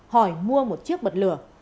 hỏi mua một chiếc bật lửa